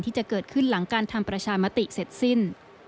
ที่จะเกิดขึ้นหลังการทำประชามติเสร็จสิ้น